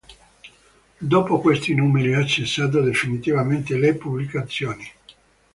Dopo questi numeri ha cessato definitivamente le pubblicazioni.